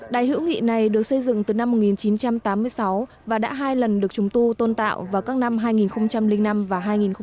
đài hữu nghị này được xây dựng từ năm một nghìn chín trăm tám mươi sáu và đã hai lần được trùng tu tôn tạo vào các năm hai nghìn năm và hai nghìn một mươi